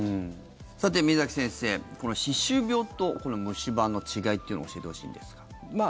さて、宮崎先生歯周病と虫歯の違いというのを教えてほしいんですが。